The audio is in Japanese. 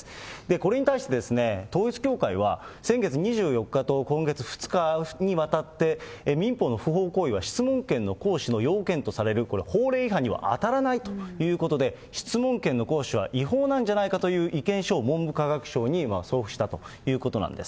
これに対して、統一教会は、先月２４日と今月２日に渡って、民法の不法行為は質問権の行使の要件とされる法令違反には当たらないということで、質問権の行使は違法なんじゃないかという意見書を、文部科学省に送付したということなんです。